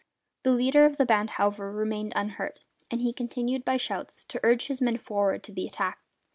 The leader of the band, however, remained unhurt, and he continued, by shouts, to urge his men forward to the attack.